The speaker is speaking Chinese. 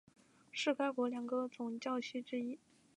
是该国两个总教区之一。